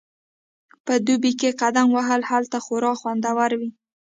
په دوبي کې قدم وهل هلته خورا خوندور وي